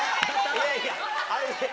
いやいや。